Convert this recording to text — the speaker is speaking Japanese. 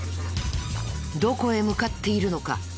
どこへ向かっているのか？